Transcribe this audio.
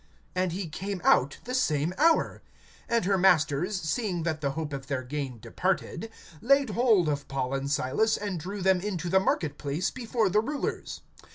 And he came out the same hour. (19)And her masters, seeing that the hope of their gain departed, laid hold of Paul and Silas, and drew them into the market place before the rulers.